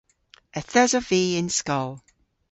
Yth esov vy y'n skol.